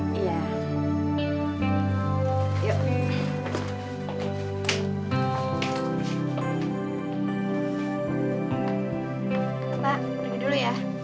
pak berangkat dulu ya